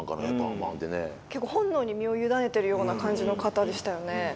結構本能に身を委ねてるような感じの方でしたよね。